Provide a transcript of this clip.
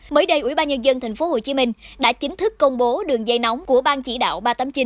mới đây ủy ban nhân dân tp hcm đã chính thức công bố đường dây nóng của ban chỉ đạo ba trăm tám mươi chín